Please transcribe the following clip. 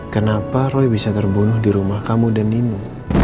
kenapa roy bisa terbunuh di rumah kamu dan ninu